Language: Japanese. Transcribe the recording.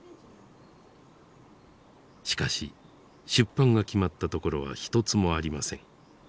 しかし出版が決まったところは一つもありません。